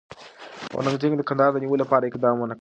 اورنګزېب د کندهار د نیولو لپاره اقدام ونه کړ.